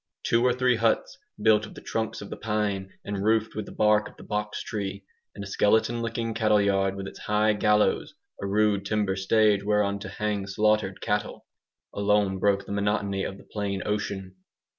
Two or three huts built of the trunks of the pine and roofed with the bark of the box tree, and a skeleton looking cattle yard with its high "gallows" (a rude timber stage whereon to hang slaughtered cattle) alone broke the monotony of the plain ocean.